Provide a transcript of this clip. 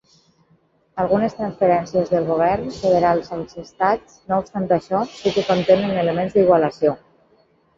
Algunes transferències del govern federal als estats, no obstant això, sí que contenen elements d'igualació.